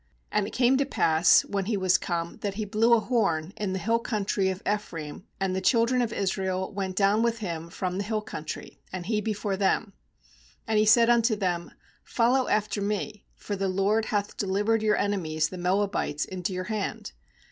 27And it came to pass, when he was come, that he blew a horn in the hill country of Ephraim, and the children of Israel went down with him from the hill country, and he before them. 28And he said unto them: ' Follow af ter me; for the LORD hath delivered your en emies the Moabites into your hand.'